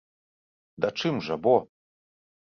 Да чым жа, бо?